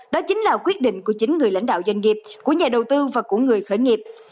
đó chính là quyết định của chính người lãnh đạo doanh nghiệp của nhà đầu tư và của người khởi nghiệp